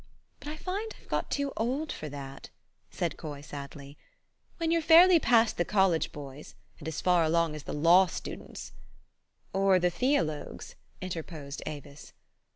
But I find I've got too old for that," said Coy sadly. "When you're fairly past the college boys, and as far along as the law students" " Or the theologues? " interposed Avis.